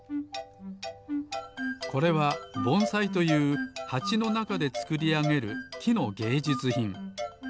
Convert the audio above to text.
これはぼんさいというはちのなかでつくりあげるきのげいじゅつひん。